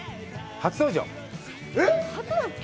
初登場。